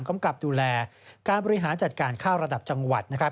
กำกับดูแลการบริหารจัดการข้าวระดับจังหวัดนะครับ